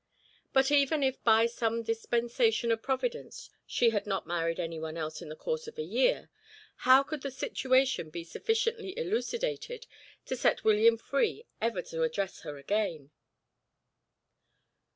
But even if by some dispensation of Providence she had not married anyone else in the course of a year, how could the situation be sufficiently elucidated to set William free ever to address her again?